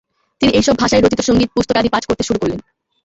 তিনি এইসব ভাষায় রচিত সঙ্গীত পুস্তকাদি পাঠ করতে শুরু করলেন।